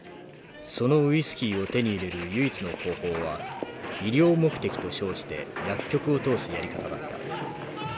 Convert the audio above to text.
そのウイスキーを手に入れる唯一の方法は医療目的と称して薬局を通すやり方だった。